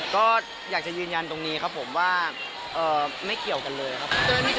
ก็อยากจะยืนยันตรงนี้ครับผมว่าไม่เกี่ยวกันเลยครับ